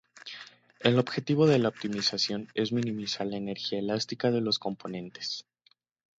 El objetivo de la optimización es minimizar la energía elástica de los componentes.